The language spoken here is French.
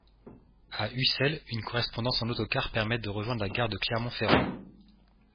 À Ussel une corresspondance en autocars permet de rejoindre la gare de Clermont-Ferrand.